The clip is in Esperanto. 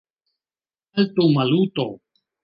Haltu, Maluto!